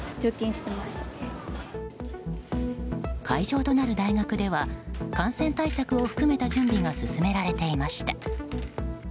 会場となる大学では感染対策を含めた準備が進められました。